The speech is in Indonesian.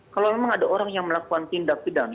kalau memang ada orang yang melakukan tindak pidana